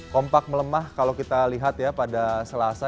kompak melemah kalau kita lihat ya pada selasa